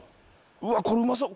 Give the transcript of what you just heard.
うわっこれうまそう！